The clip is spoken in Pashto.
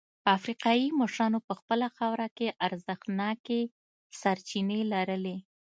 افریقايي مشرانو په خپله خاوره کې ارزښتناکې سرچینې لرلې.